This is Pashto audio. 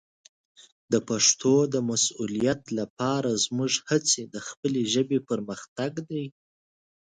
د پښتو د مسوولیت لپاره زموږ هڅې د خپلې ژبې پرمختګ دی.